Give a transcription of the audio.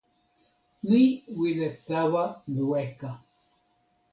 mi wile tawa weka.